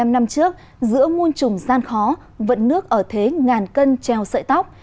bảy mươi năm năm trước giữa muôn trùng gian khó vận nước ở thế ngàn cân treo sợi tóc